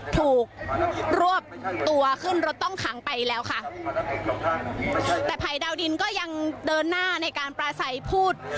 ถูกรวบตัวขึ้นรถต้องขังไปแล้วค่ะแต่ภัยดาวดินก็ยังเดินหน้าในการปลาใสพูด